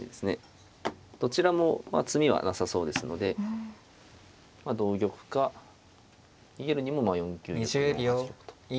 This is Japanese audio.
どちらも詰みはなさそうですので同玉か逃げるにもまあ４九玉４八玉と。